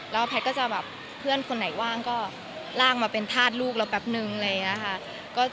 แล้วแพทย์ก็จะแบบเพื่อนคนไหนว่างก็ลากมาเป็นธาตุลูกเราแป๊บนึงอะไรอย่างนี้ค่ะ